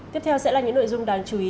tiếp theo sẽ là những nội dung đáng chú ý